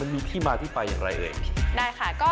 เอาล่ะเดินทางมาถึงในช่วงไฮไลท์ของตลอดกินในวันนี้แล้วนะครับ